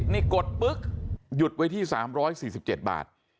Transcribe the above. นี่กดปุ๊บหยุดไว้ที่๓๔๗บาท